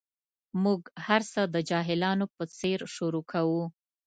موږ هر څه د جاهلانو په څېر شروع کوو.